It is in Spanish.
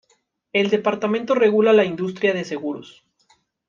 El departamento regula la industria de seguros.